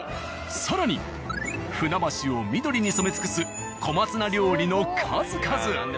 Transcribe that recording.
更に船橋を緑に染め尽くす小松菜料理の数々。